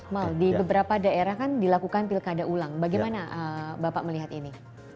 mal di beberapa daerah kan dilakukan pilkada ulang bagaimana bapak melihat ini